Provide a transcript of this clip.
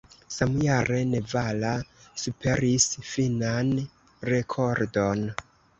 Samjare Nevala superis finnan rekordon.